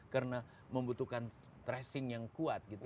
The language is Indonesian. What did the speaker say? karena membutuhkan tracing yang kuat